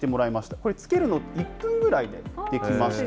これ、つけるの１分ぐらいでできました。